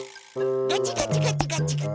ガチガチガチガチガチ。